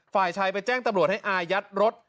ฝ่ายชายไปแจ้งตำรวจให้อายัดรถ